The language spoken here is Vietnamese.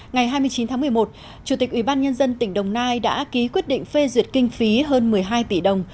ngày hai mươi chín tháng một mươi một chủ tịch ubnd tỉnh đồng nai đã ký quyết định phê duyệt kinh phí hơn một mươi hai tỷ đồng